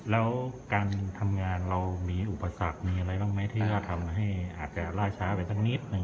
แล้วการทำงานเรามีอุปสรรคมีอะไรบ้างไหมที่จะทำให้อาจจะล่าช้าไปสักนิดหนึ่ง